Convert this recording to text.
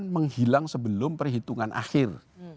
menghilang sebelum perhitungan akhir